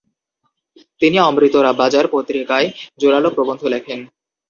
তিনি অমৃরতবাজার পত্রিকায় জোরালো প্রবন্ধ লেখেন।